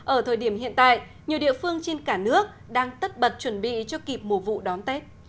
ở thời điểm hiện tại nhiều địa phương trên cả nước đang tất bật chuẩn bị cho kịp mùa vụ đón tết